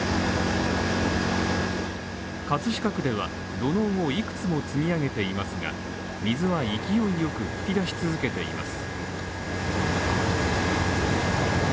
葛飾区では土のうをいくつも積み上げていますが、水は勢いよく噴き出し続けています。